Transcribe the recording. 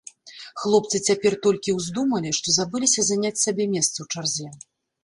Хлопцы цяпер толькі ўздумалі, што забыліся заняць сабе месца ў чарзе.